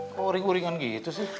kok ring uringan gitu sih